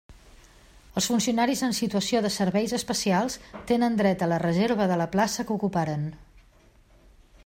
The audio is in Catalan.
Els funcionaris en situació de serveis especials tenen dret a la reserva de la plaça que ocuparen.